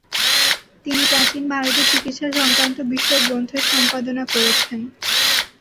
তিনি প্রাচীন ভারতে চিকিৎসা সংক্রান্ত বিষয়ক গ্রন্থের সম্পাদনা করেছেন।